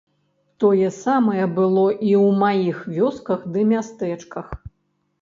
Тое самае было і ў маіх вёсках ды мястэчках.